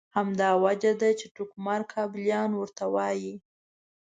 همدا وجه ده چې ټوکمار کابلیان ورته وایي.